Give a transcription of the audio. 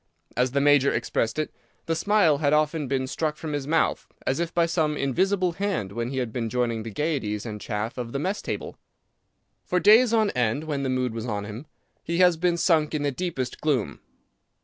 As the major expressed it, the smile had often been struck from his mouth, as if by some invisible hand, when he has been joining the gayeties and chaff of the mess table. For days on end, when the mood was on him, he has been sunk in the deepest gloom.